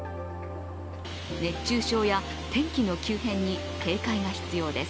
熱中症や天気の急変に警戒が必要です。